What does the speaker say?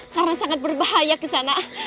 karena sangat berbahaya ke sana